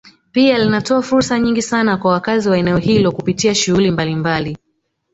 Pia linatoa fursa nyingi sana kwa wakazi wa eneo hilo kupitia shughuli mbalimbali